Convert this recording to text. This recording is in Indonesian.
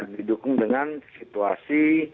didukung dengan situasi